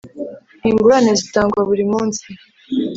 Ingurane zitangwa burimunsi.